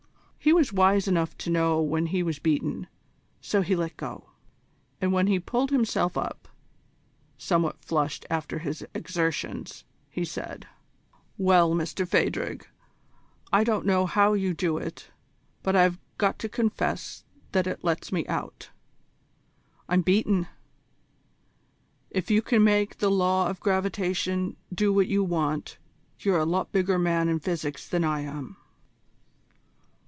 He was wise enough to know when he was beaten, so he let go, and when he pulled himself up, somewhat flushed after his exertions, he said: "Well, Mister Phadrig, I don't know how you do it, but I've got to confess that it lets me out. I'm beaten. If you can make the law of gravitation do what you want, you're a lot bigger man in physics than I am."